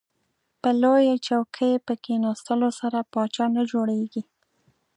په لویه چوکۍ په کیناستلو سره پاچا نه جوړیږئ.